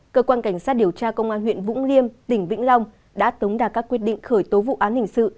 cơ quan cảnh sát điều tra công an huyện vũng liêm tỉnh vĩnh long đã tống đạt các quyết định khởi tố vụ án hình sự